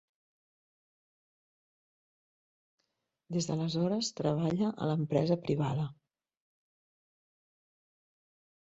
Des d'aleshores, treballa a l'empresa privada.